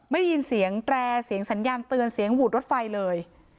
ได้ยินเสียงแตรเสียงสัญญาณเตือนเสียงหวูดรถไฟเลย